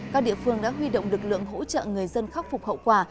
các địa phương đã huy động lực lượng hỗ trợ người dân khắc phục hậu quả